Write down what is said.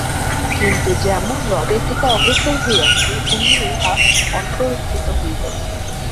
কিন্তু যেমন হ্রদের দিকে অগ্রসর হইয়াছি অমনি উহা অন্তর্হিত হইল।